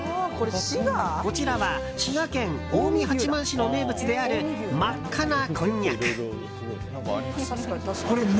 こちらは滋賀県近江八幡市の名物である真っ赤なこんにゃく。